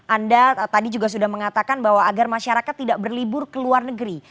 anda tadi juga sudah mengatakan bahwa agar masyarakat tidak berlibur ke luar negeri